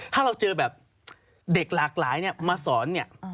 ถ้าเราเจอแบบเด็กหลากหลายเนี่ยมาสอนเนี่ย